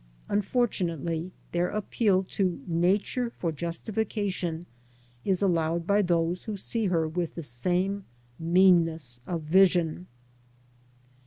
Unfortunately their appeal to Nature for justification is allowed by those who see her with the same meanness of vision.